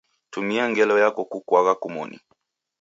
Tumia ngelo yako kukuagha kumoni.